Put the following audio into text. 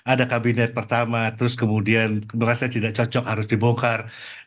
ada kabinet pertama terus kemudian merasa tidak cocok harus dibongkar